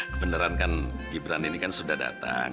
kebenaran kan gibran ini kan sudah datang